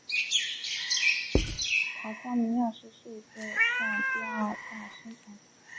坦桑尼亚是世界上第二大生产国。